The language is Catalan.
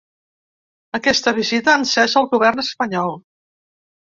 Aquesta visita ha encès el govern espanyol.